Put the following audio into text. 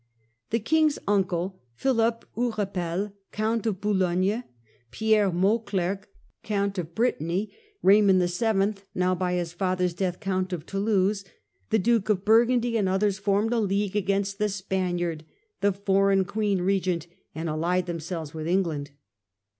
The king's uncle, Philip Hurepel Count of Boulogne, Pierre Mauclerc Count of Britanny, Eaymond VIL, now by his father's death Count of Toulouse, the Duke of Burgundy, and others, formed a league against " the Spaniard," the foreign queen regent, and allied themselves with England.